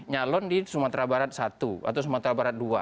nyalon di sumatera barat satu atau sumatera barat dua